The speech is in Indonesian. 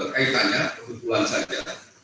kaitannya kesimpulan saja